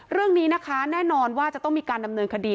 เรื่องนี้นะคะแน่นอนว่าจะต้องมีการดำเนินคดี